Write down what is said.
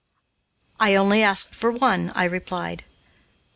"I only asked for one," I replied.